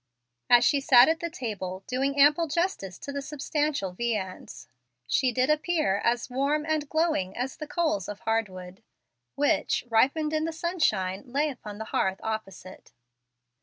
As she sat at the table, doing ample justice to the substantial viands, she did appear as warm and glowing as the coals of hard wood, which, ripened in the sunshine, lay upon the hearth opposite.